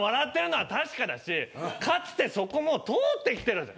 かつてそこも通ってきてる。